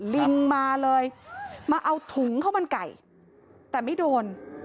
ลิงมาเลยมาเอาถุงข้าวมันไก่แต่ไม่โดน